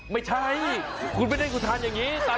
ไม่ใช่คุณไม่ได้อุทานอย่างนี้